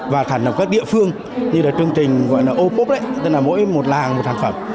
và thẳng vào các địa phương như là chương trình gọi là opoc tức là mỗi một làng một sản phẩm